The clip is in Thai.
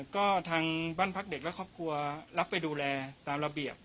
ก็ทางบ้านพักเด็กและครอบครัวรับไปดูแลตามระเบียบ